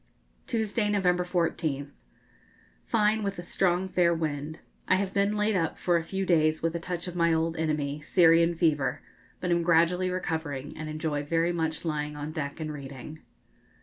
Tuesday, November 14th. Fine, with a strong fair wind. I have been laid up for a few days with a touch of my old enemy, Syrian fever, but am gradually recovering, and enjoy very much lying on deck and reading.